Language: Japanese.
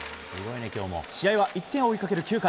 試合は１点を追いかける９回。